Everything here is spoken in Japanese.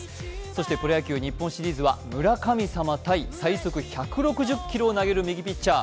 そしてプロ野球日本シリーズは村神様×最速１６０キロを投げる右ピッチャー。